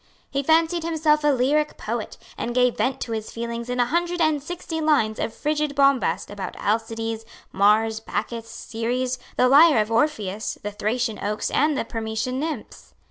He fancied himself a lyric poet, and gave vent to his feelings in a hundred and sixty lines of frigid bombast about Alcides, Mars, Bacchus, Ceres, the lyre of Orpheus, the Thracian oaks and the Permessian nymphs.